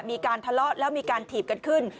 มีการทะเลาะแล้วมีการถีบกันขึ้น